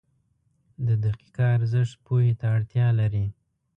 • د دقیقه ارزښت پوهې ته اړتیا لري.